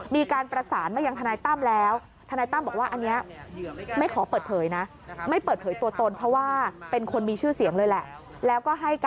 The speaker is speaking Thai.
มีการประสานมาอย่างทนัยตั้มแล้ว